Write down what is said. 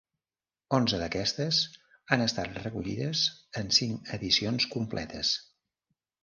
Onze d'aquestes han estat recollides en cinc edicions completes.